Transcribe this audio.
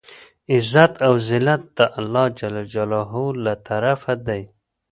عزت او زلت د الله ج له طرفه دی.